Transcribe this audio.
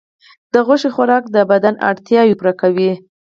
د غوښې خوراک د بدن اړتیاوې پوره کوي.